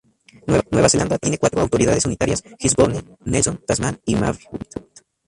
Nueva Zelanda tiene cuatro autoridades unitarias Gisborne, Nelson, Tasman y Marlborough.